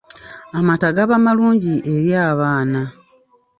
Amata gaba malungi eri abaana.